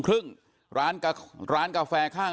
มึงนึกว่าข้ามเขาบ้าง